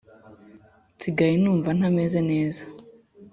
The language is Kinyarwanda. Nsigaye numva ntameze neza.